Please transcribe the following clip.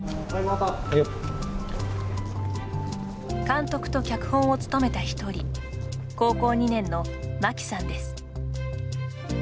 監督と脚本を務めた一人高校２年のマキさんです。